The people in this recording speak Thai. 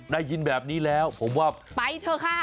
ได้ยินแบบนี้แล้วผมว่าไปเถอะค่ะ